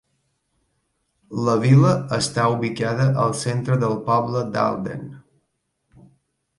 La vila està ubicada al centre del poble d'Alden.